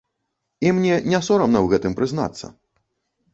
І мне не сорамна ў гэтым прызнацца.